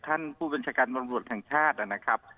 ท่านผู้บัญชาการตำรวจแห่งชาตินะครับ